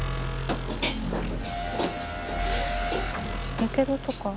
やけどとか？